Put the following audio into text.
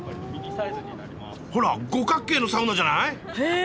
ほら五角形のサウナじゃない？へえ！